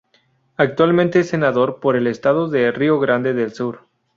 Actualmente es senador por el estado de Río Grande del Sur.